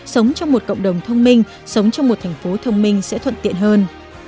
sống trong một cộng đồng thông minh sống trong một thành phố thông minh sẽ thuận tiện hơn